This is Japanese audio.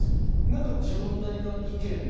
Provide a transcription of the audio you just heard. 何か自分なりの意見なり